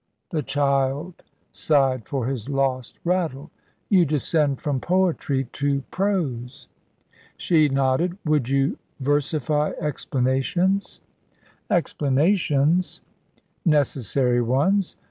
the child sighed for his lost rattle; "you descend from poetry to prose." She nodded. "Would you versify explanations?" "Explanations?" "Necessary ones.